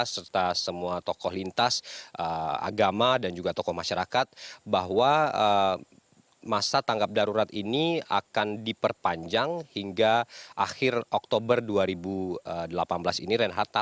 serta semua tokoh lintas agama dan juga tokoh masyarakat bahwa masa tangkap darurat ini akan diperpanjang hingga akhir oknum